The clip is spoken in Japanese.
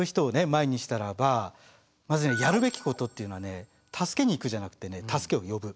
前にしたらばまずねやるべきことっていうのはね助けに行くじゃなくてね助けを呼ぶ。